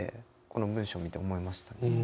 この文章見て思いました。